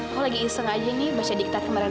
aku lagi iseng aja nih baca diktat kemarin